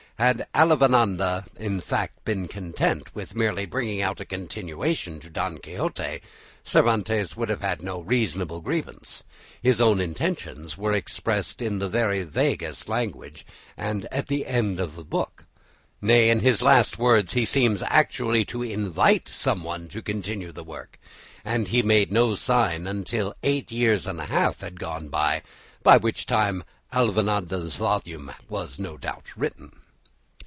Had Avellaneda, in fact, been content with merely bringing out a continuation to "Don Quixote," Cervantes would have had no reasonable grievance. His own intentions were expressed in the very vaguest language at the end of the book; nay, in his last words, "forse altro cantera con miglior plettro," he seems actually to invite some one else to continue the work, and he made no sign until eight years and a half had gone by; by which time Avellaneda's volume was no doubt written.